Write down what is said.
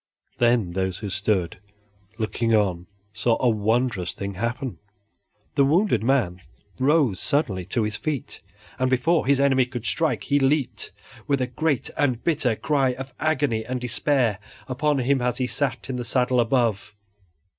Then those who stood looking on saw a wondrous thing happen: the wounded man rose suddenly to his feet, and before his enemy could strike he leaped, with a great and bitter cry of agony and despair, upon him as he sat in the saddle above.